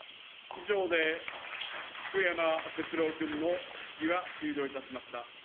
以上で、福山哲郎君の質疑は終了いたしました。